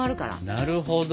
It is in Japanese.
なるほど。